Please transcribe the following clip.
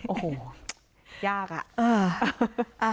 โอ้โหยากอะ